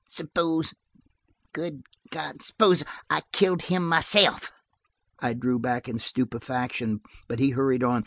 Suppose–good God–suppose I killed him myself?" I drew back in stupefaction, but he hurried on.